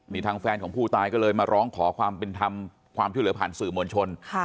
นี่ทางแฟนของผู้ตายก็เลยมาร้องขอความเป็นธรรมความช่วยเหลือผ่านสื่อมวลชน